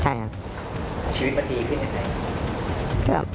ใช่ครับ